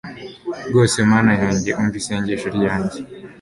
rwose, mana yanjye, umva isengesho ryanjye